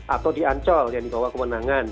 atau di ancol yang dibawa kemenangan